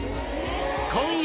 今夜！